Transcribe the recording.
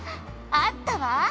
あったわ！」